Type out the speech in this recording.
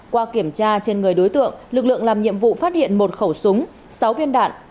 qua kiểm tra trên người đối tượng lực lượng làm nhiệm vụ phát hiện một khẩu súng sáu viên đạn